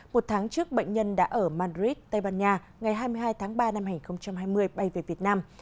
một tháng trước bệnh nhân đã ở madrid tây ban nha ngày hai mươi hai tháng ba năm hai nghìn hai mươi